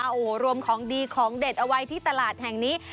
โอ้โหรวมของดีของเด็ดเอาไว้ที่ตลาดแห่งนี้